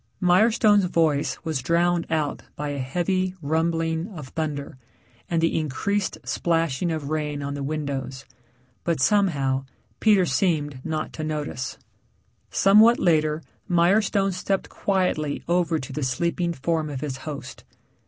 Mirestone's voice was drowned out by a heavy rumbling of thunder and the increased splashing of rain on the windows. But somehow Peter seemed not to notice. Somewhat later Mirestone stepped quietly over to the sleeping form of his host.